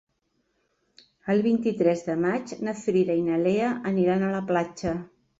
El vint-i-tres de maig na Frida i na Lea aniran a la platja.